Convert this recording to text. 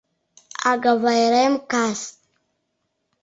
Агавайрем кас.